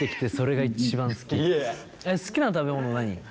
好きな食べ物何？